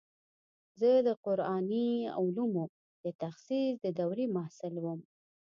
زه د قراني علومو د تخصص د دورې محصل وم.